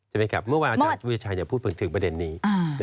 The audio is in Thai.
ใช่ไหมครับเมื่อวานอาจารย์วิทยาชัยพูดถึงประเด็นนี้